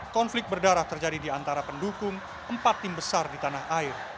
konflik berdarah terjadi di antara pendukung empat tim besar di tanah air